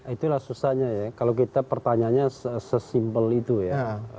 itulah susahnya ya kalau kita pertanyaannya sesimpel itu ya